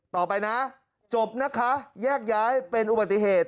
ต่อไปนะจบนะคะแยกย้ายเป็นอุบัติเหตุ